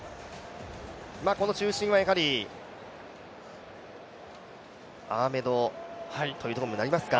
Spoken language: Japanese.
この中心はやはり、アーメドというところになりますか。